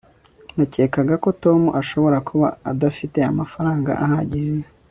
nakekaga ko tom ashobora kuba adafite amafaranga ahagije